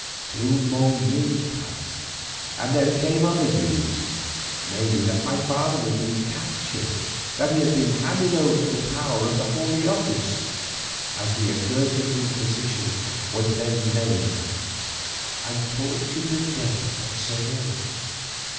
Two more years passed away, and there came other news, namely, that my father had been captured, that he had been handed over to the power of the Holy Office, as the accursed Inquisition was then named, and tortured to death at Seville.